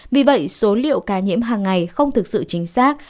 vì vậy số liệu ca nhiễm hàng ngày không thực sự chính xác